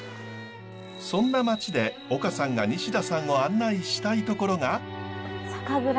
そんな町で丘さんが西田さんを案内したい所が。